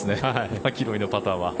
マキロイのパターは。